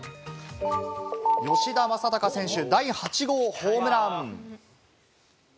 吉田正尚選手、第８号ホームラン。